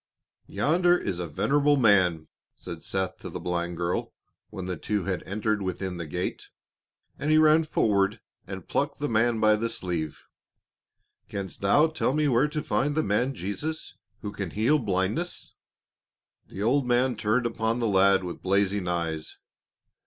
"Yonder is a venerable man," said Seth to the blind girl, when the two had entered within the gate, and he ran forward and plucked the man by the sleeve. "Canst thou tell me where to find the man Jesus, who can heal blindness?" The old man turned upon the lad with blazing eyes.